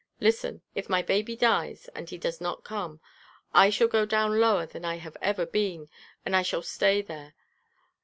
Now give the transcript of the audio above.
Listen if my baby dies, and he does not come, I shall go down lower than I have ever been, and I shall stay there.